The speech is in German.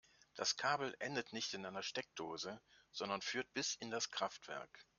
Das Kabel endet nicht in einer Steckdose, sondern führt bis in das Kraftwerk.